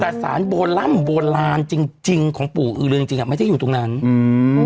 แต่สารโบร่ำโบราณจริงจริงของปู่อือเรือนจริงจริงอ่ะไม่ได้อยู่ตรงนั้นอืม